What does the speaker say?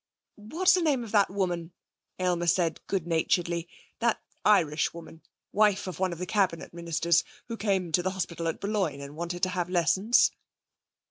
'What's the name of that woman,' Aylmer said good naturedly, 'that Irish woman, wife of one of the Cabinet Ministers, who came to the hospital at Boulogne and wanted to have lessons?'